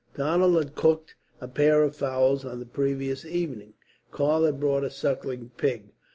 Donald had cooked a pair of fowls on the previous evening. Karl had bought a sucking pig.